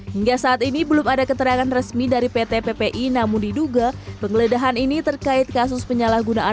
hingga saat ini belum ada keterangan resmi dari pt ppi namun diduga penggeledahan ini terkait kasus penyalahgunaan